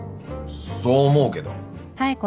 そう思うけど。